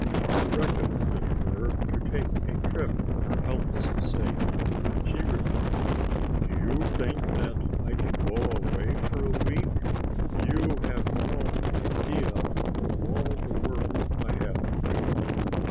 I recommended her to take a trip for her health's sake. She replied: "Do you think that I can go away for a week? You have no idea of all the work I have to do.